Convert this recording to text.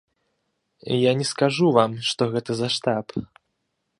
Я не скажу вам, што гэта за штаб.